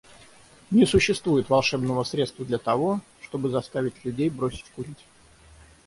Не существует волшебного средства для того, чтобы заставить людей бросить курить.